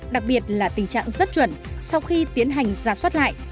đặc biệt là tình trạng rất chuẩn sau khi tiến hành giả soát lại